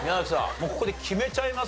もうここで決めちゃいます